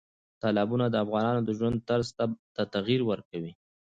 تالابونه د افغانانو د ژوند طرز ته تغیر ورکوي.